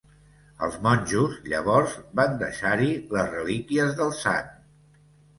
Els monjos, llavors, van deixar-hi les relíquies del sant.